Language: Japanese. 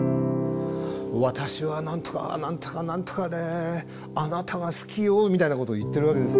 「私は何とか何とか何とかであなたが好きよ」みたいなことを言ってるわけですね。